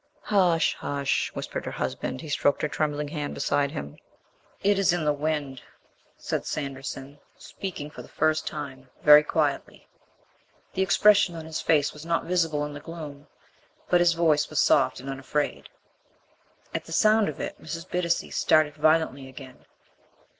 "Hush, hush," whispered her husband. He stroked her trembling hand beside him. "It is in the wind," said Sanderson, speaking for the first time, very quietly. The expression on his face was not visible in the gloom, but his voice was soft and unafraid. At the sound of it, Mrs. Bittacy started violently again.